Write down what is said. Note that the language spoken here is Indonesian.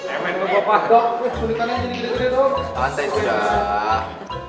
emen lu bapak dok